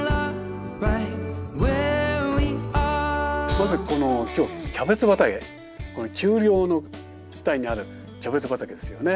まずこの今日キャベツ畑この丘陵の下にあるキャベツ畑ですよね。